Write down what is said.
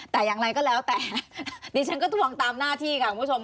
แต่อย่างไรก็แล้วแต่ดิฉันก็ทวงตามหน้าที่ค่ะคุณผู้ชม